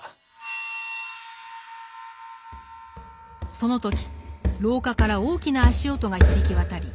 その時廊下から大きな足音が響き渡り